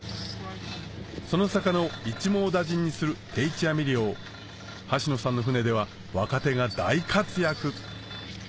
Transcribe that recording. その魚を一網打尽にする定置網漁橋野さんの船では若手が大活躍